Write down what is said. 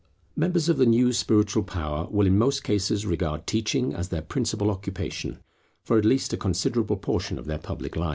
Members of the new spiritual power will in most cases regard teaching as their principal occupation, for at least a considerable portion of their public life.